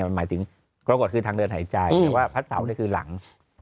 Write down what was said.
มันหมายถึงกรกฎคือทางเดินหายใจเพราะสาวที่คือหลัง